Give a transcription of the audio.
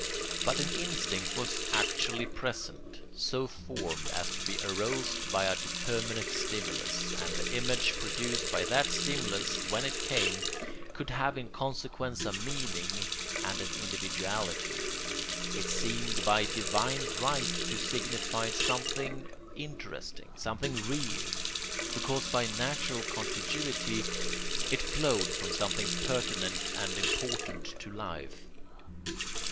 But an instinct was actually present, so formed as to be aroused by a determinate stimulus; and the image produced by that stimulus, when it came, could have in consequence a meaning and an individuality. It seemed by divine right to signify something interesting, something real, because by natural contiguity it flowed from something pertinent and important to life.